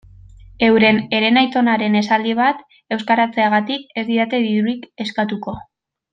Euren herenaitonaren esaldi bat euskaratzeagatik ez didate dirurik eskatuko.